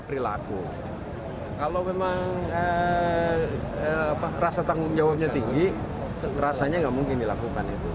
rasa tanggung jawabnya tinggi rasanya tidak mungkin dilakukan